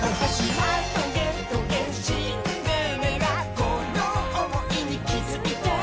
「このおもいにきづいて」